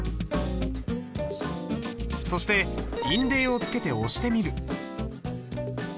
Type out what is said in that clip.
そして印泥をつけて押してみる。